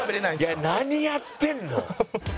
いや何やってんの？